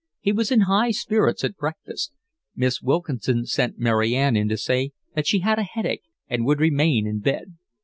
He was in high spirits at breakfast. Miss Wilkinson sent Mary Ann in to say that she had a headache and would remain in bed.